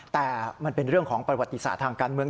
แต่มันเป็นเรื่องของประวัติศาสตร์ทางการเมือง